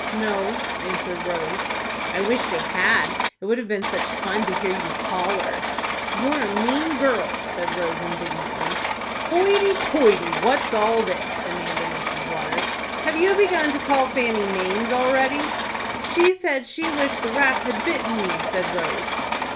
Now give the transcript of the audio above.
"No," answered Rose. "I wish they had. It would have been such fun to hear you holler." "You're a mean girl," said Rose, indignantly. "Hoity toity! What's all this?" demanded Mrs. Waters. "Have you begun to call Fanny names already?" "She said she wished the rats had bitten me," said Rose.